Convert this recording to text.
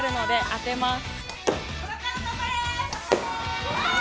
当てます。